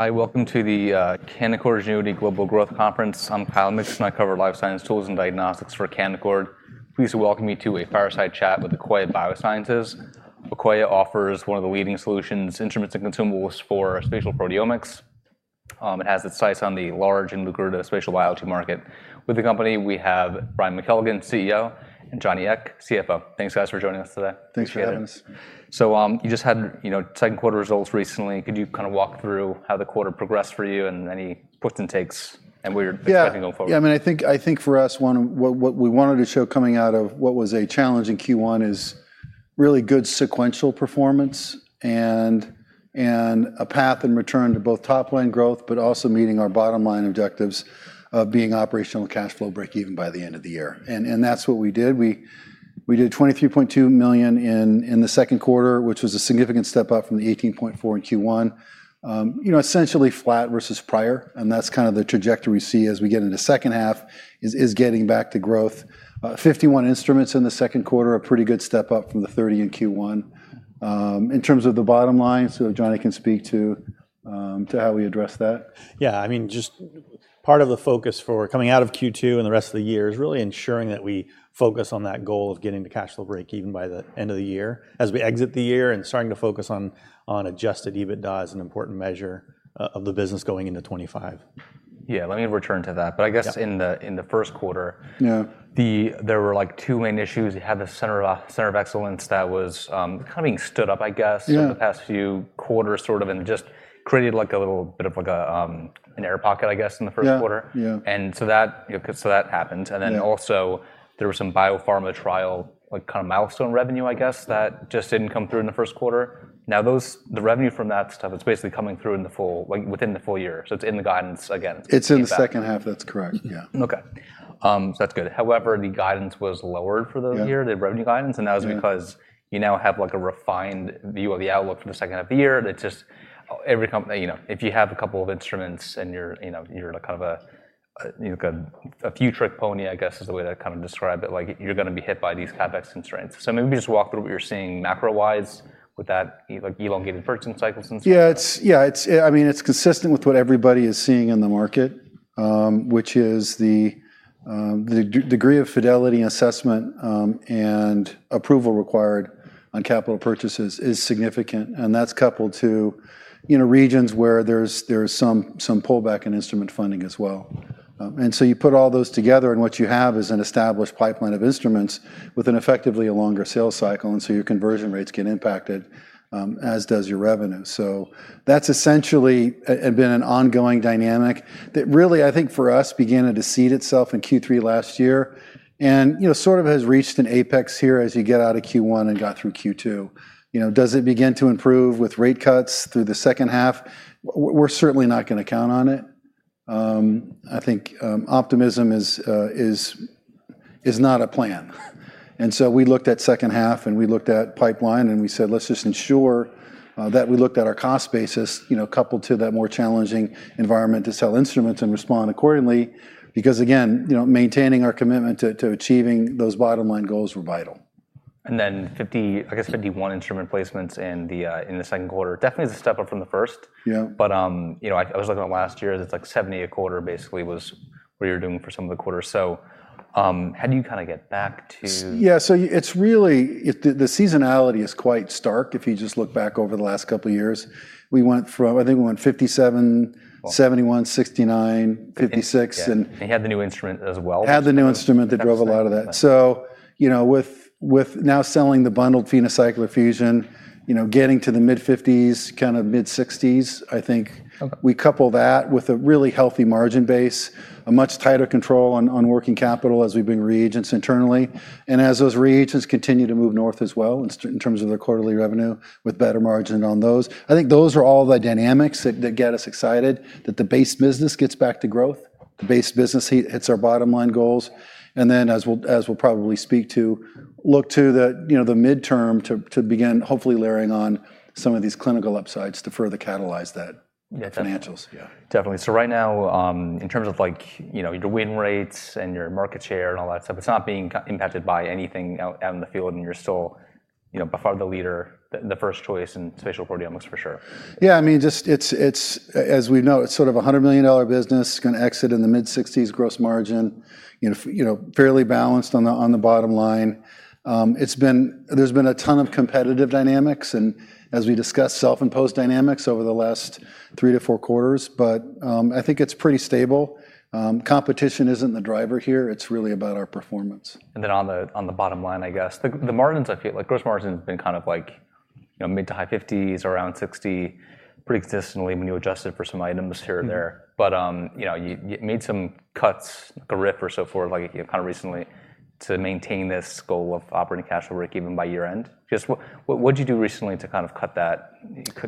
Hi, welcome to the Canaccord Genuity Global Growth Conference. I'm Kyle Mikson, and I cover life science tools and diagnostics for Canaccord. Please welcome me to a fireside chat with Akoya Biosciences. Akoya offers one of the leading solutions, instruments, and consumables for spatial proteomics. It has its sights on the large and lucrative spatial biology market. With the company, we have Brian McKelligon, CEO, and Johnny Ek, CFO. Thanks, guys, for joining us today. Thanks for having us. Thanks for having us. So, you just had, you know, Q2 results recently. Could you kind of walk through how the quarter progressed for you and any twists and takes, and where- Yeah you're expecting going forward? Yeah, I mean, I think for us, what we wanted to show coming out of what was a challenging Q1 is really good sequential performance and a path and return to both top line growth, but also meeting our bottom line objectives of being operational cash flow breakeven by the end of the year, and that's what we did. We did 23.2 million in the second quarter, which was a significant step up from the 18.4 million in Q1. You know, essentially flat versus prior, and that's kind of the trajectory we see as we get into second half is getting back to growth. 51 instruments in the second quarter, a pretty good step up from the 30 in Q1. In terms of the bottom line, so Johnny can speak to how we address that. Yeah, I mean, just part of the focus for coming out of Q2 and the rest of the year is really ensuring that we focus on that goal of getting to cash flow breakeven by the end of the year. As we exit the year and starting to focus on adjusted EBITDA is an important measure of the business going into 2025. Yeah, let me return to that. Yeah. I guess in the Q1- Yeah... there were, like, two main issues. You had the Center of Excellence that was kind of being stood up, I guess- Yeah for the past few Q1, sort of, and just created, like, a little bit of like a, an air pocket, I guess, in the first quarter. Yeah, yeah. And so that happened. Yeah. And then also, there were some biopharma trial, like kind of milestone revenue, I guess, that just didn't come through in the first quarter. Now, those... The revenue from that stuff, it's basically coming through in the full, like, within the full year, so it's in the guidance again. It's in the second half. That's correct, yeah. Okay. So that's good. However, the guidance was lowered for those year- Yeah the revenue guidance, and that was because Yeah You now have, like, a refined view of the outlook for the second half of the year, and it's just every comp- You know, if you have a couple of instruments, and you're, you know, you're in a kind of a, you've got a few trick pony, I guess, is the way to kind of describe it, like, you're going to be hit by these CapEx constraints. So maybe just walk through what you're seeing macro-wise with that, like, elongated purchase cycles and stuff. Yeah, it's yeah, it's. I mean, it's consistent with what everybody is seeing in the market, which is the degree of fidelity assessment and approval required on capital purchases is significant, and that's coupled to, you know, regions where there's some pullback in instrument funding as well. And so you put all those together, and what you have is an established pipeline of instruments with effectively a longer sales cycle, and so your conversion rates get impacted, as does your revenue. So that's essentially been an ongoing dynamic that really, I think for us, began to seed itself in Q3 last year and, you know, sort of has reached an apex here as you get out of Q1 and got through Q2. You know, does it begin to improve with rate cuts through the second half? We're certainly not going to count on it. I think optimism is not a plan. And so we looked at second half, and we looked at pipeline, and we said, "Let's just ensure that we looked at our cost basis, you know, coupled to that more challenging environment to sell instruments and respond accordingly." Because, again, you know, maintaining our commitment to achieving those bottom line goals were vital. And then 50, I guess, 51 instrument placements in the Q2 definitely is a step up from the first. Yeah. But, you know, I was looking at last year, it's like 78 a Q1 basically was what you were doing for some of the quarters. So, how do you kind of get back to- Yeah, so it's really the seasonality is quite stark if you just look back over the last couple of years. We went from, I think we went 57, 71, 69, 56, and- You had the new instrument as well. Had the new instrument that drove a lot of that. So, you know, with now selling the bundled PhenoCycler-Fusion, you know, getting to the mid-50s, kind of mid-60s, I think. Okay. We couple that with a really healthy margin base, a much tighter control on working capital as we've been making reagents internally, and as those reagents continue to move north as well, in terms of their quarterly revenue, with better margin on those. I think those are all the dynamics that get us excited, that the base business gets back to growth, the base business hits our bottom line goals, and then, as we'll probably speak to, look to the, you know, the midterm to begin hopefully layering on some of these clinical upsides to further catalyze that- Yeah -financials. Yeah. Definitely. So right now, in terms of like, you know, your win rates and your market share and all that stuff, it's not being impacted by anything out in the field, and you're still, you know, by far the leader, the first choice in spatial proteomics, for sure. Yeah, I mean, as we know, it's sort of a 100 million business, going to exit in the mid-60s% gross margin, you know, fairly balanced on the bottom line. There's been a ton of competitive dynamics and, as we discussed, self-imposed dynamics over the last 3 to 4 quarters, but, I think it's pretty stable. Competition isn't the driver here. It's really about our performance. Then on the bottom line, I guess, the margins, I feel like gross margin's been kind of like, you know, mid- to high-50s or around 60%, pretty consistently when you adjust it for some items here and there. Mm. But, you know, you made some cuts, a RIF or so forth, like, you know, kind of recently, to maintain this goal of operating cash flow break-even by year-end. Just what'd you do recently to kind of cut that,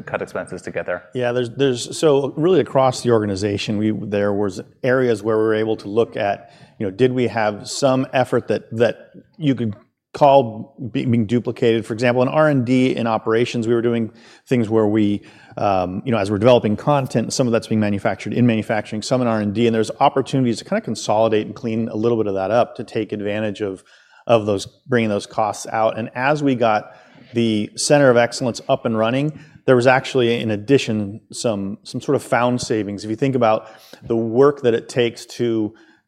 cut expenses to get there? Yeah, there's... So really across the organization, there was areas where we were able to look at, you know, did we have some effort that, that-... you could call it being duplicated. For example, in R&D, in operations, we were doing things where we, you know, as we're developing content, some of that's being manufactured in manufacturing, some in R&D, and there's opportunities to kind of consolidate and clean a little bit of that up to take advantage of those bringing those costs out. And as we got the Center of Excellence up and running, there was actually, in addition, some sort of found savings. If you think about the work that it takes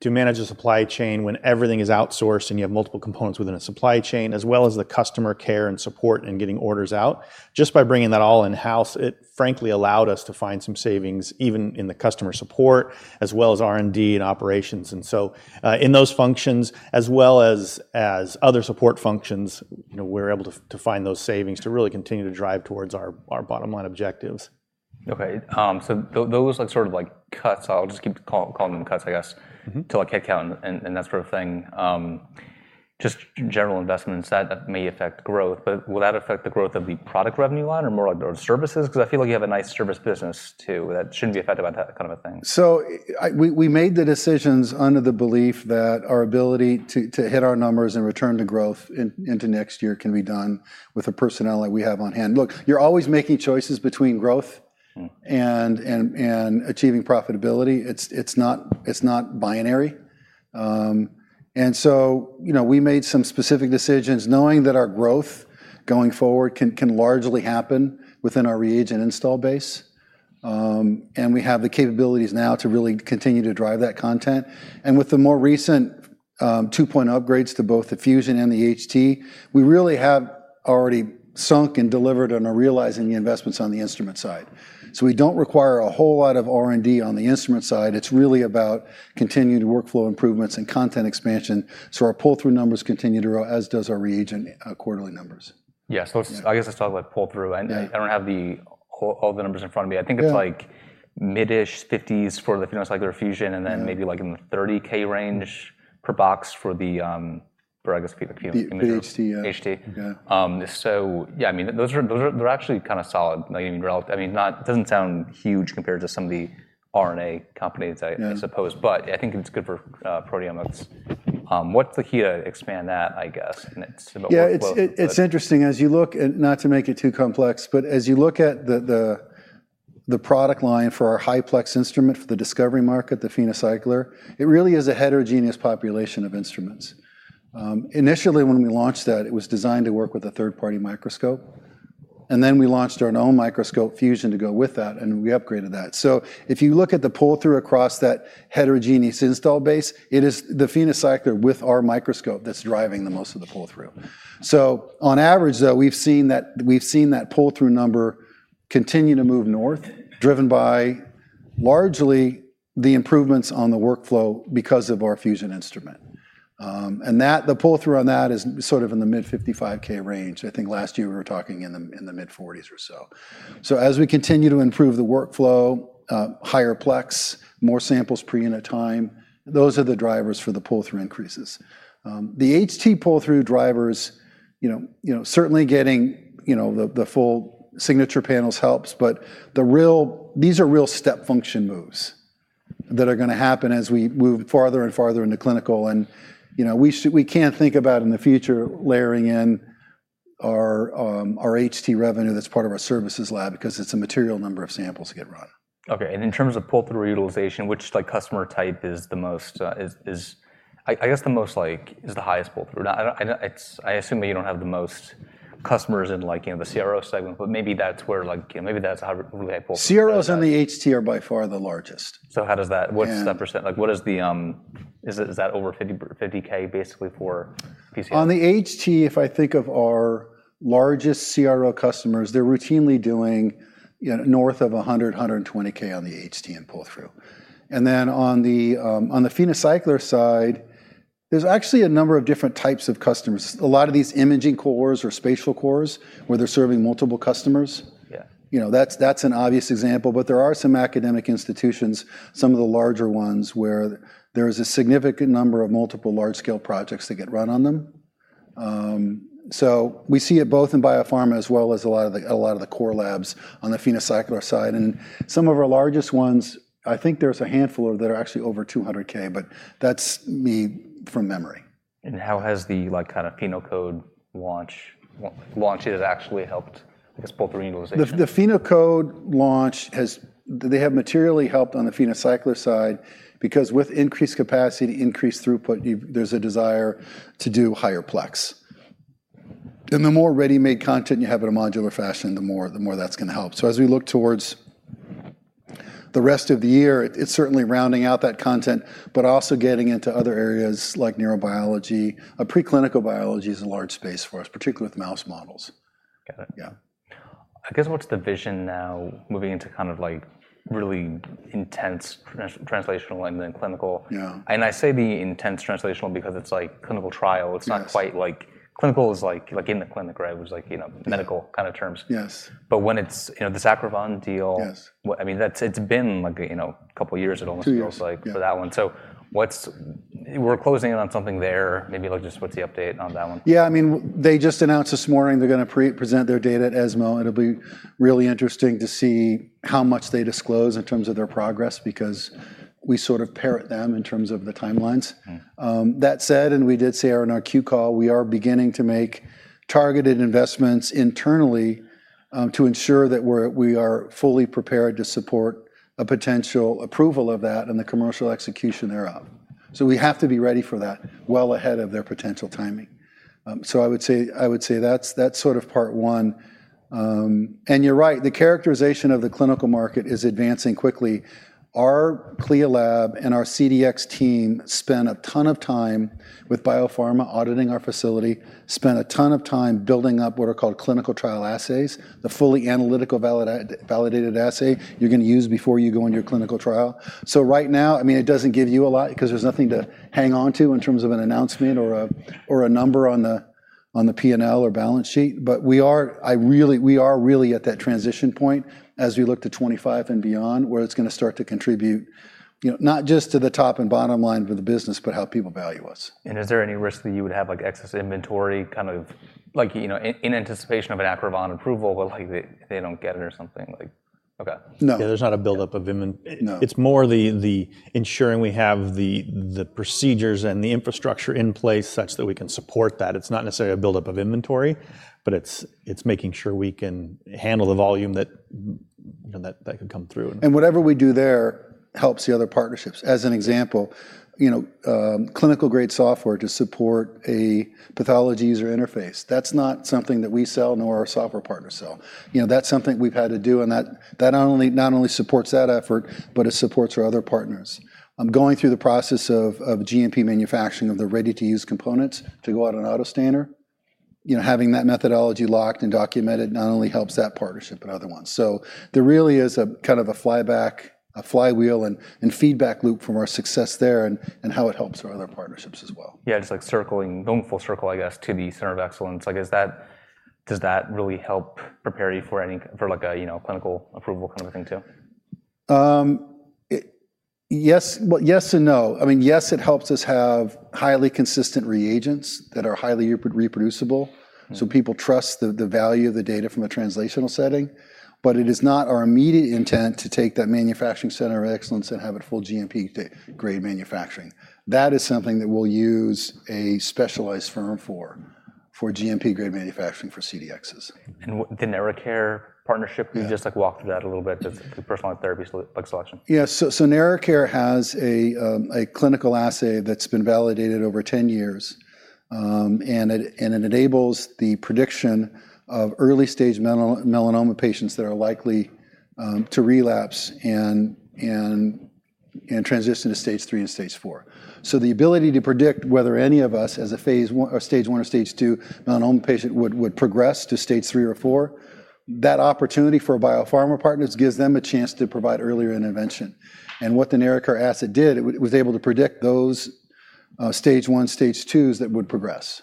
to manage a supply chain when everything is outsourced and you have multiple components within a supply chain, as well as the customer care and support and getting orders out, just by bringing that all in-house, it frankly allowed us to find some savings, even in the customer support, as well as R&D and operations. And so, in those functions, as well as other support functions, you know, we're able to find those savings to really continue to drive towards our bottom line objectives. Okay. So those like sort of like cuts, I'll just keep calling them cuts, I guess. Mm-hmm ... to like, head count and that sort of thing. Just general investments that may affect growth, but will that affect the growth of the product revenue line or more like our services? 'Cause I feel like you have a nice service business, too, that shouldn't be affected by that kind of a thing. So we, we made the decisions under the belief that our ability to hit our numbers and return to growth into next year can be done with the personnel that we have on hand. Look, you're always making choices between growth- Mm... and achieving profitability. It's not binary. And so, you know, we made some specific decisions knowing that our growth going forward can largely happen within our reagent install base. And we have the capabilities now to really continue to drive that content. And with the more recent 2.0 upgrades to both the Fusion and the HT, we really have already sunk and delivered and are realizing the investments on the instrument side. So we don't require a whole lot of R&D on the instrument side. It's really about continued workflow improvements and content expansion, so our pull-through numbers continue to grow, as does our reagent quarterly numbers. Yeah. So Yeah... I guess let's talk about pull-through- Yeah... and I don't have all the numbers in front of me. Yeah. I think it's, like, mid-ish 50s for the PhenoCycler-Fusion- Yeah... and then maybe, like, in the 30000 range per box for the, or I guess the, the- The HT, yeah.... HT. Yeah. So yeah, I mean, those are. They're actually kind of solid, like. I mean, it doesn't sound huge compared to some of the RNA companies- Yeah... I, I suppose, but I think it's good for proteomics. What's the HT expansion, I guess, and it's about workflow, but- Yeah, it's interesting, as you look at... Not to make it too complex, but as you look at the product line for our highplex instrument, for the discovery market, the PhenoCycler, it really is a heterogeneous population of instruments. Initially, when we launched that, it was designed to work with a third-party microscope, and then we launched our own microscope, Fusion, to go with that, and we upgraded that. So if you look at the pull-through across that heterogeneous installed base, it is the PhenoCycler with our microscope that's driving the most of the pull-through. Mm. So on average, though, we've seen that we've seen that pull-through number continue to move north, driven by largely the improvements on the workflow because of our Fusion instrument. And that, the pull-through on that is sort of in the mid 55000 range. I think last year we were talking in the, in the mid 40000 or so. So as we continue to improve the workflow, higher plex, more samples per unit time, those are the drivers for the pull-through increases. The HT pull-through drivers, you know, you know, certainly getting, you know, the, the full signature panels helps, but these are real step function moves that are gonna happen as we move farther and farther into clinical. You know, we can think about, in the future, layering in our, our HT revenue that's part of our services lab because it's a material number of samples to get run. Okay, and in terms of pull-through utilization, which, like, customer type is the most, I guess, the most, like... Is the highest pull-through? I don't know, it's—I assume that you don't have the most customers in, like, you know, the CRO segment, but maybe that's where, like, you know, maybe that's how we have pull-through. CROs and the HT are by far the largest. So how does that- Yeah... what's the percent? Like, what is the, is it, is that over 50, 50,000 basically for PhenoCycler? On the HT, if I think of our largest CRO customers, they're routinely doing, you know, north of 100, 120,000 on the HT in pull-through. And then on the, on the PhenoCycler side, there's actually a number of different types of customers. A lot of these imaging cores or spatial cores, where they're serving multiple customers- Yeah... you know, that's, that's an obvious example, but there are some academic institutions, some of the larger ones, where there is a significant number of multiple large-scale projects that get run on them. So we see it both in biopharma as well as a lot of the, a lot of the core labs on the PhenoCycler side. And some of our largest ones, I think there's a handful of that are actually over 200,000, but that's me from memory. How has the, like, kind of PhenoCode launch it has actually helped, I guess, pull-through utilization? The PhenoCode launch has—they have materially helped on the PhenoCycler side because with increased capacity to increase throughput, there's a desire to do higher plex. And the more ready-made content you have in a modular fashion, the more that's gonna help. So as we look towards the rest of the year, it's certainly rounding out that content, but also getting into other areas like neurobiology. Preclinical biology is a large space for us, particularly with mouse models. Got it. Yeah. I guess, what's the vision now, moving into kind of like really intense translational and then clinical? Yeah. I say the intense translational because it's like clinical trial. Yes. It's not quite like... clinical is like, like in the clinic, right? Where it's like, you know- Yes... medical kind of terms. Yes. But when it's, you know, the Acrivon deal- Yes... well, I mean, that's, it's been like, you know, a couple of years almost- Two years... it feels like for that one. So what's-- we're closing in on something there. Maybe, like, just what's the update on that one? Yeah, I mean, they just announced this morning they're gonna present their data at ESMO. It'll be really interesting to see how much they disclose in terms of their progress because we sort of parrot them in terms of the timelines. Mm. That said, and we did say on our Q call, we are beginning to make targeted investments internally, to ensure that we're, we are fully prepared to support a potential approval of that and the commercial execution thereof. So we have to be ready for that well ahead of their potential timing. So I would say, I would say that's, that's sort of part one. And you're right, the characterization of the clinical market is advancing quickly. Our CLIA lab and our CDx team spent a ton of time with biopharma auditing our facility, spent a ton of time building up what are called clinical trial assays, the fully analytical validated assay you're going to use before you go into your clinical trial. So right now, I mean, it doesn't give you a lot because there's nothing to hang on to in terms of an announcement or a number on the P&L or balance sheet. But we are really at that transition point as we look to 2025 and beyond, where it's going to start to contribute, you know, not just to the top and bottom line for the business, but how people value us. Is there any risk that you would have, like, excess inventory, kind of like, you know, in anticipation of an Acrivon approval, but, like, they, they don't get it or something like... Okay. No. Yeah, there's not a buildup of invent- No. It's more the ensuring we have the procedures and the infrastructure in place such that we can support that. It's not necessarily a buildup of inventory, but it's making sure we can handle the volume that, you know, could come through. Whatever we do there helps the other partnerships. As an example, you know, clinical-grade software to support a pathology user interface, that's not something that we sell, nor our software partners sell. You know, that's something we've had to do, and that, that not only supports that effort, but it supports our other partners. Going through the process of GMP manufacturing of the ready-to-use components to go out on an autostainer, you know, having that methodology locked and documented not only helps that partnership, but other ones. So there really is a kind of a flyback, a flywheel and feedback loop from our success there and how it helps our other partnerships as well. Yeah, just like circling, going full circle, I guess, to the Center of Excellence, like, does that really help prepare you for, like, a, you know, clinical approval kind of thing, too? Yes, but yes and no. I mean, yes, it helps us have highly consistent reagents that are highly reproducible. Mm. People trust the value of the data from a translational setting, but it is not our immediate intent to take that manufacturing Center of Excellence and have it full GMP-grade manufacturing. That is something that we'll use a specialized firm for GMP-grade manufacturing, for CDXs. And what the NeraCare partnership- Yeah. Can you just, like, walk through that a little bit? Just the personalized therapies, like selection. Yeah. So, NeraCare has a clinical assay that's been validated over 10 years. And it enables the prediction of early-stage melanoma patients that are likely to relapse and transition to Stage III and Stage IV. So the ability to predict whether any of us as a Phase I or Stage I or Stage II melanoma patient would progress to Stage III or IV, that opportunity for biopharma partners gives them a chance to provide earlier intervention. And what the NeraCare assay did, it was able to predict those Stage I, Stage IIs that would progress.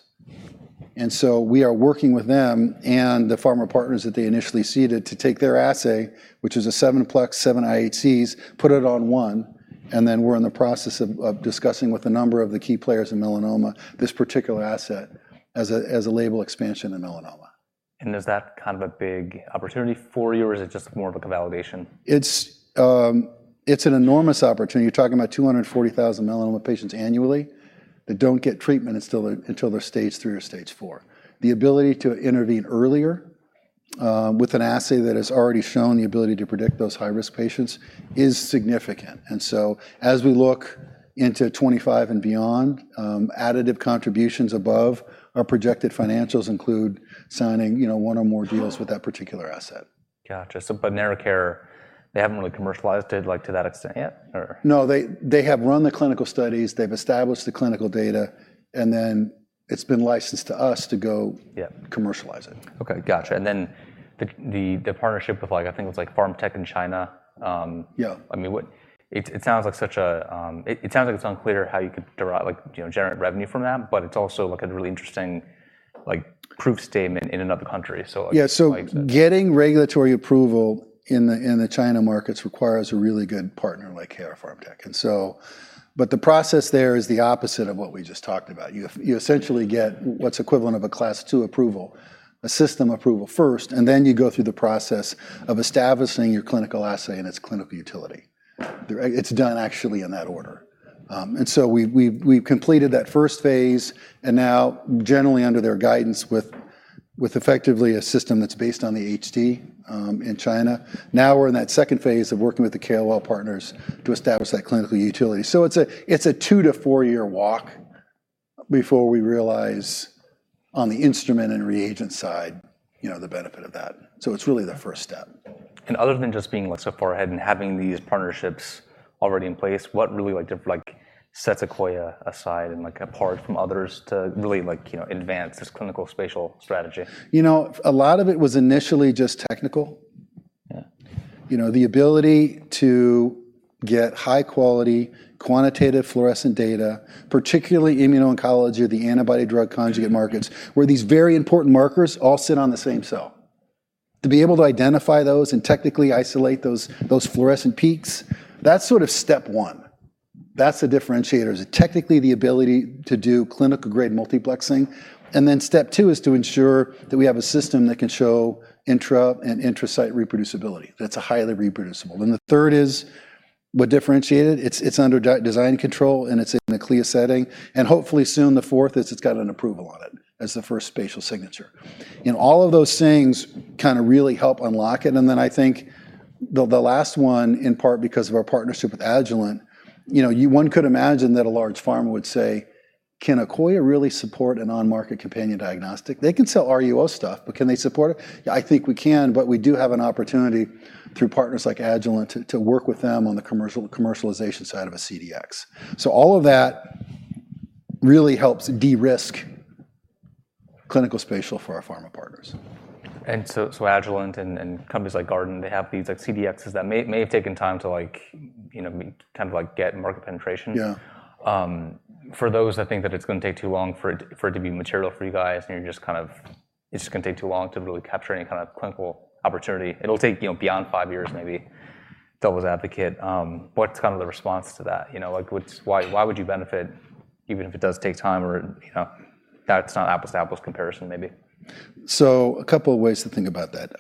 And so we are working with them and the pharma partners that they initially seeded to take their assay, which is a 7-plex, 7 IHCs, put it on one, and then we're in the process of discussing with a number of the key players in melanoma, this particular asset as a, as a label expansion in melanoma. Is that kind of a big opportunity for you, or is it just more of a validation? It's an enormous opportunity. You're talking about 240,000 melanoma patients annually that don't get treatment until they're Stage III or Stage IV. The ability to intervene earlier with an assay that has already shown the ability to predict those high-risk patients is significant. And so, as we look into 2025 and beyond, additive contributions above our projected financials include signing, you know, one or more deals with that particular asset. Gotcha. So, but NeraCare, they haven't really commercialized it, like, to that extent yet, or? No, they, they have run the clinical studies, they've established the clinical data, and then it's been licensed to us to go- Yeah... commercialize it. Okay, gotcha. And then the partnership with, like, I think it was like Pharmtech in China. Yeah. I mean, it sounds like such a, it sounds like it's unclear how you could derive, like, you know, generate revenue from that, but it's also, like, a really interesting, like, proof statement in another country. So like- Yeah, so- Like- Getting regulatory approval in the China markets requires a really good partner like KR Pharmtech. But the process there is the opposite of what we just talked about. You essentially get what's equivalent of a Class II approval, a system approval first, and then you go through the process of establishing your clinical assay and its clinical utility. It's done actually in that order. And so we've completed that first phase, and now generally under their guidance with effectively a system that's based on the HT in China. Now, we're in that second phase of working with the KR partners to establish that clinical utility. So it's a 2- to 4-year walk before we realize on the instrument and reagent side, you know, the benefit of that. So it's really the first step. Other than just being, like, so far ahead and having these partnerships already in place, what really, like, sets Akoya aside and, like, apart from others to really, like, you know, advance this clinical spatial strategy? You know, a lot of it was initially just technical. Yeah. You know, the ability to get high-quality, quantitative fluorescent data, particularly immuno-oncology or the antibody-drug conjugate markets, where these very important markers all sit on the same cell. To be able to identify those and technically isolate those, those fluorescent peaks, that's sort of step one. That's the differentiator, is technically the ability to do clinical-grade multiplexing. And then step two is to ensure that we have a system that can show intra- and inter-site reproducibility, that's highly reproducible. And the third is what differentiated. It's under design control, and it's in a CLIA setting. And hopefully soon, the fourth is it's got an approval on it... as the first spatial signature. You know, all of those things kind of really help unlock it, and then I think the last one, in part because of our partnership with Agilent, you know, one could imagine that a large pharma would say, "Can Akoya really support an on-market companion diagnostic? They can sell RUO stuff, but can they support it?" I think we can, but we do have an opportunity through partners like Agilent to work with them on the commercialization side of a CDx. So all of that really helps de-risk clinical spatial for our pharma partners. So, Agilent and companies like Guardant, they have these, like, CDXs that may have taken time to like, you know, kind of like get market penetration. Yeah. For those that think that it's gonna take too long for it, for it to be material for you guys, and you're just kind of, it's just gonna take too long to really capture any kind of clinical opportunity. It'll take, you know, beyond five years, maybe, devil's advocate, what's kind of the response to that? You know, like, what's... Why, why would you benefit, even if it does take time, or, you know, that's not an apples-to-apples comparison, maybe? So a couple of ways to think about that.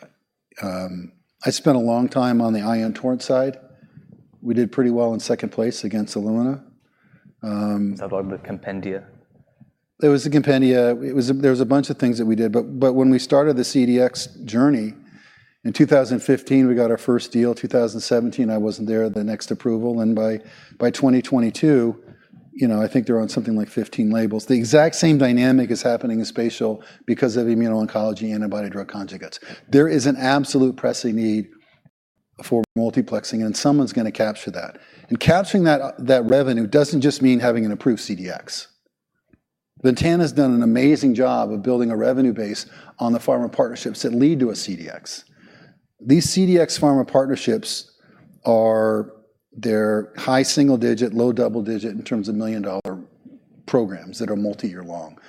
I spent a long time on the Ion Torrent side. We did pretty well in second place against Illumina. How about with Compendia? There was the Compendia. There was a bunch of things that we did, but, but when we started the CDx journey in 2015, we got our first deal. 2017, I wasn't there the next approval, and by, by 2022, you know, I think they're on something like 15 labels. The exact same dynamic is happening in spatial because of immuno-oncology antibody-drug conjugates. There is an absolute pressing need for multiplexing, and someone's gonna capture that. And capturing that, that revenue doesn't just mean having an approved CDx. Ventana's done an amazing job of building a revenue base on the pharma partnerships that lead to a CDx. These CDx pharma partnerships are—they're high single-digit, low double-digit in terms of million-dollar programs that are multi-year long.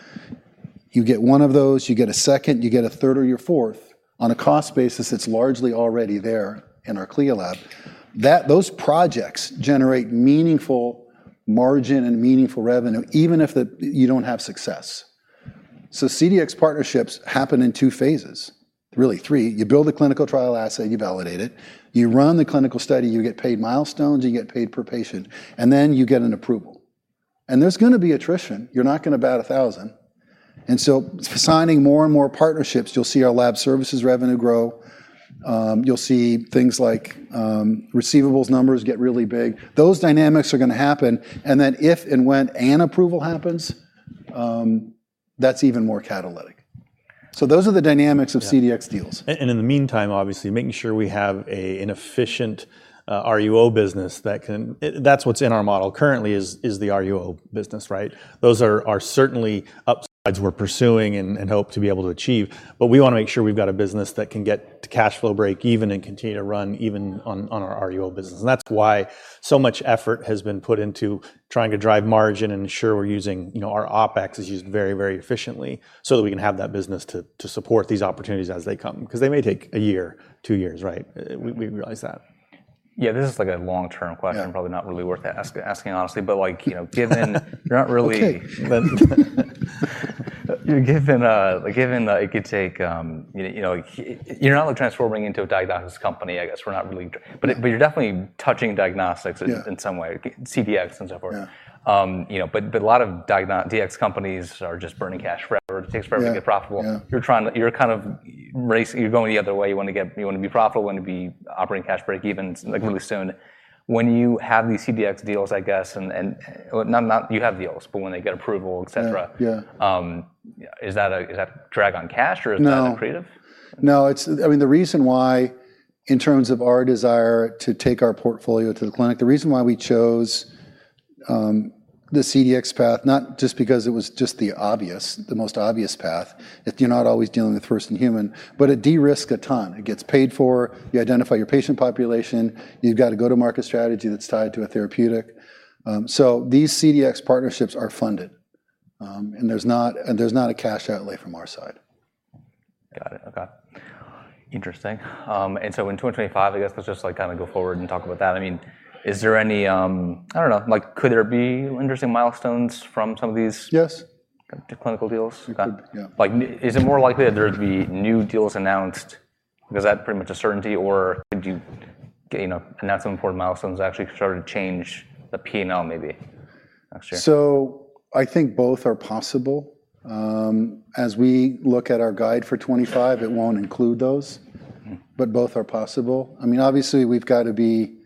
You get one of those, you get a second, you get a third or your fourth, on a cost basis, it's largely already there in our CLIA lab, that those projects generate meaningful margin and meaningful revenue, even if you don't have success. So CDx partnerships happen in two phases, really, three. You build a clinical trial asset, you validate it, you run the clinical study, you get paid milestones, you get paid per patient, and then you get an approval, and there's gonna be attrition. You're not gonna bat a thousand. And so signing more and more partnerships, you'll see our lab services revenue grow. You'll see things like, receivables numbers get really big. Those dynamics are gonna happen, and then if and when an approval happens, that's even more catalytic. So those are the dynamics of CDx deals. And in the meantime, obviously, making sure we have an efficient RUO business that can... That's what's in our model currently is the RUO business, right? Those are certainly upsides we're pursuing and hope to be able to achieve, but we wanna make sure we've got a business that can get to cash flow break even and continue to run even on our RUO business. And that's why so much effort has been put into trying to drive margin and ensure we're using, you know, our OpEx is used very, very efficiently, so that we can have that business to support these opportunities as they come, 'cause they may take a year, two years, right? We realize that. Yeah, this is like a long-term question- Yeah. Probably not really worth asking, honestly, but like, you know, given- Okay. -You're not really... Given, given that it could take, you know, you're not like transforming into a diagnostics company, I guess, we're not really, but, but you're definitely touching diagnostics- Yeah. -in some way, CDx and so forth. Yeah. You know, but a lot of DX companies are just burning cash forever. Yeah. It takes forever to get profitable. Yeah. You're going the other way. You wanna be profitable, you wanna be operating cash break even, like, really soon. When you have these CDx deals, I guess, and, well, not-- You have deals, but when they get approval, et cetera- Yeah, yeah. Is that a drag on cash, or is that No... creative? No, it's, I mean, the reason why, in terms of our desire to take our portfolio to the clinic, the reason why we chose the CDx path, not just because it was just the obvious, the most obvious path, if you're not always dealing with first in human, but it de-risk a ton. It gets paid for, you identify your patient population, you've got a go-to-market strategy that's tied to a therapeutic. So these CDx partnerships are funded, and there's not, and there's not a cash outlay from our side. Got it. Okay. Interesting. And so in 2025, I guess let's just, like, kind of go forward and talk about that. I mean, is there any... I don't know, like, could there be interesting milestones from some of these- Yes... clinical deals? You could, yeah. Like, is it more likely that there would be new deals announced? Is that pretty much a certainty, or could you, you know, announce some important milestones that actually sort of change the P and L, maybe, actually? I think both are possible. As we look at our guide for 2025, it won't include those- Mm. But both are possible. I mean, obviously, we've got to be,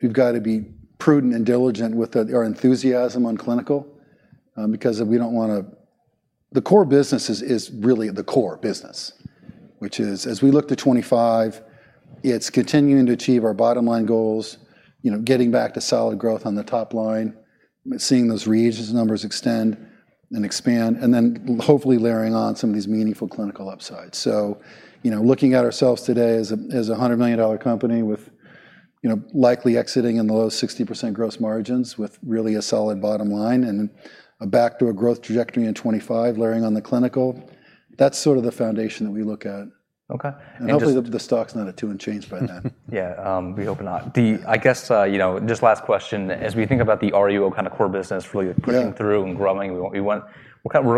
we've got to be prudent and diligent with our enthusiasm on clinical, because we don't want to... The core business is really the core business, which is, as we look to 2025, it's continuing to achieve our bottom line goals, you know, getting back to solid growth on the top line, seeing those reagents numbers extend and expand, and then hopefully layering on some of these meaningful clinical upsides. So, you know, looking at ourselves today as a 100 million company with, you know, likely exiting in the low 60% gross margins, with really a solid bottom line and a back-to-growth trajectory in 2025, layering on the clinical, that's sort of the foundation that we look at. Okay. Hopefully, the stock's not at 2 and change by then. Yeah, we hope not. I guess, you know, just last question: as we think about the RUO kind of core business really- Yeah pushing through and growing, we want, we want.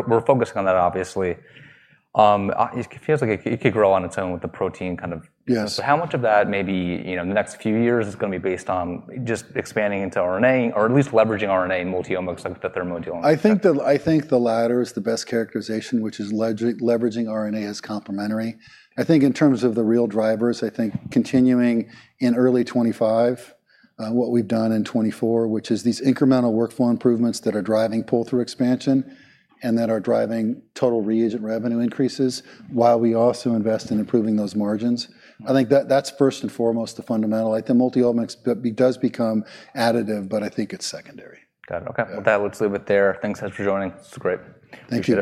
We're focusing on that, obviously. It feels like it could grow on its own with the protein kind of Yes. So how much of that maybe, you know, in the next few years is gonna be based on just expanding into RNA or at least leveraging RNA in multiomics, like the Thermo- I think the latter is the best characterization, which is leveraging RNA as complementary. I think in terms of the real drivers, I think continuing in early 2025 what we've done in 2024, which is these incremental workflow improvements that are driving pull-through expansion and that are driving total reagent revenue increases, while we also invest in improving those margins. I think that, that's first and foremost the fundamental. I think multi-omics does become additive, but I think it's secondary. Got it. Okay. Yeah. Well, let's leave it there. Thanks, guys, for joining. This was great. Thank you.